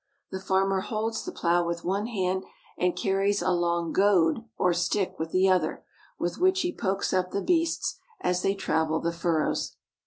The farmer holds the plow with one hand, and car ries a long goad or stick with the other, with which he pokes up the beasts as they travel the furrows.